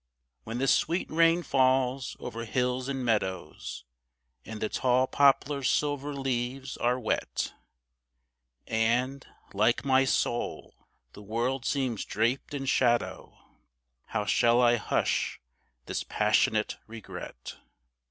When the sweet rain falls over hills and meadows, And the tall poplar's silver leaves are wet, And, like my soul, the world seems draped in shadow, How shall I hush this passionate regret?